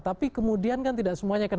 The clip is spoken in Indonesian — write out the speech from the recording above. tapi kemudian kan tidak semuanya akan